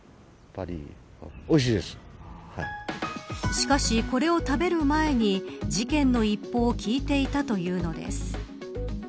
しかし、これを食べる前に事件の一報を聞いていたというのです。